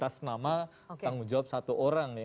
atas nama tanggung jawab satu orang